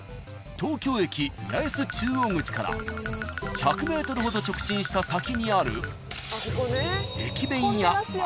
［東京駅八重洲中央口から１００ｍほど直進した先にある］